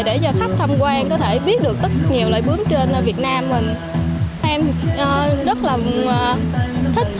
để cho khách tham quan có thể biết được tất cả nhiều loài bướm trên việt nam mình